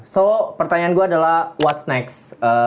so pertanyaan gue adalah what s next